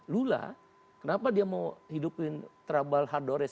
lula kenapa dia mau hidupin trabal hardores